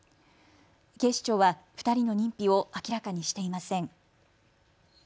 警視庁は２人の認否を明らかにしていません。